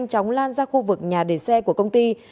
ra khu vực nhà để xe của công ty